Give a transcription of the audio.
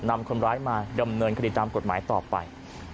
นำคนร้ายมาดำเนินคดีตามกฎหมายต่อไป